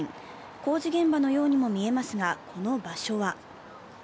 工事現場のようにも見えますが、この場所は？